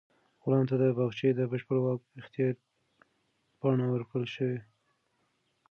غلام ته د باغچې د بشپړ واک اختیار پاڼه ورکړل شوه.